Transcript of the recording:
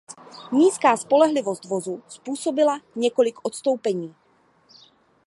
Nízká spolehlivost vozu způsobila několik odstoupení.